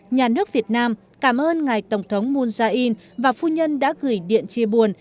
nhà nước việt nam cảm ơn ngài tổng thống moon jae in và phu nhân đã gửi điện chia buồn